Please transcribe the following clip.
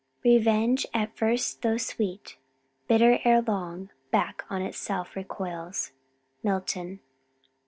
"Revenge at first though sweet, Bitter ere long, back on itself recoils." MILTON.